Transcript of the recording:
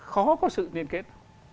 khó có sự liên kết